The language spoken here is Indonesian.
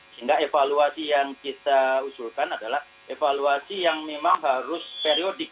sehingga evaluasi yang kita usulkan adalah evaluasi yang memang harus periodik